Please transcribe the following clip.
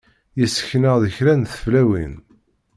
Yessken-aɣ-d kra n tewlafin.